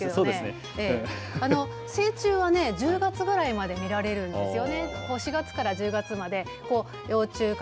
成虫は１０月ぐらいまで見られるんですよ。